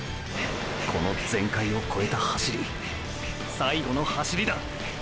この全開を超えた走り最後の走りだ！！